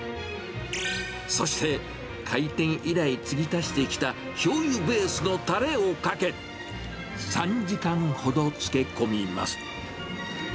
そして、開店以来つぎ足してきたしょうゆベースのたれをかけ、３時間ほど漬け込みます。